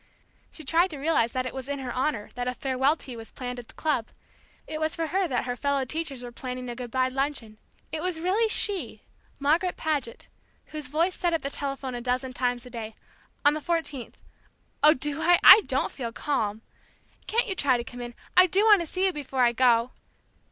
She tried to realize that it was in her honor that a farewell tea was planned at the club, it was for her that her fellow teachers were planning a good bye luncheon; it was really she Margaret Paget whose voice said at the telephone a dozen times a day, "On the fourteenth. Oh, do I? I don't feel calm! Can't you try to come in I do want to see you before I go!"